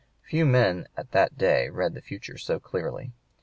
Few men at that day read the future so clearly.